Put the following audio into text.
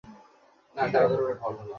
এই দুজনই সর্বমোট জনবল।